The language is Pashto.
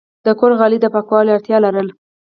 د کور غالی د پاکولو اړتیا لرله.